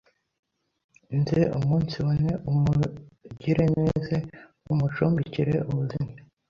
Nze umunsibone umugireneze umucumbikireubuzime